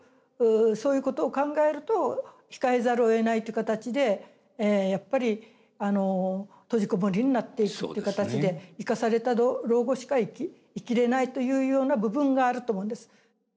そういうことを考えると控えざるをえないっていう形でやっぱり閉じこもりになっていくって形で生かされた老後しか生きれないというような部分があると思うんです。